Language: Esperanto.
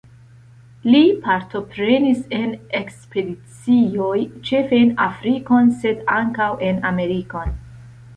Li partoprenis en ekspedicioj, ĉefe en Afrikon, sed ankaŭ en Amerikon.